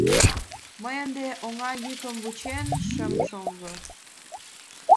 Мый ынде оҥа йӱкым вучен шым шого.